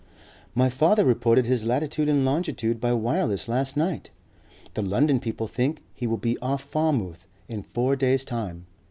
"My father reported his latitude and longitude by wireless last night. The London people think he will be off Falmouth in four days' time.